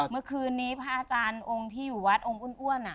เมื่อคืนนี้พระอาจารย์องค์ที่อยู่วัดองค์อ้วน